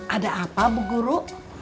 ada apa bu guru